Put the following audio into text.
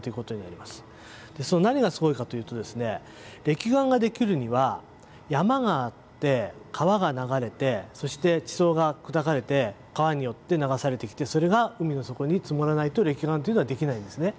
れき岩ができるには山があって川が流れてそして地層が砕かれて川によって流されてきてそれが海の底に積もらないとれき岩というのはできないんですね。